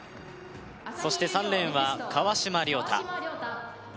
そして３レーンは河嶋亮太